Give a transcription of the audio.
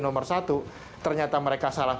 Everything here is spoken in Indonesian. nomor satu ternyata mereka salah